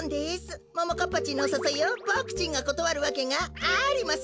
ももかっぱちんのさそいをボクちんがことわるわけがありません。